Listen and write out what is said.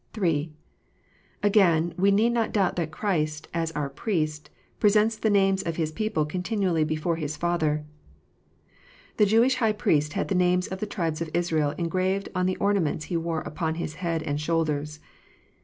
(3) Again : we need not doubt that Christ, as our Priest, pi esents the names of His people continually before His Father. The Jewish high priest had the names of the tribes of Israel engraved on the ornaments he wore upon his head and shoulders.